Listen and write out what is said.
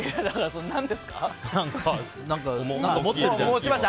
何か持ってるじゃない。